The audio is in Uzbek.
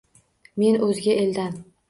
Men o’zga eldan